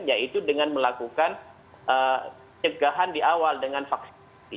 yaitu dengan melakukan cegahan di awal dengan vaksinasi